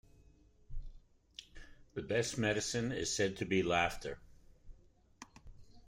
The best medicine is said to be laughter.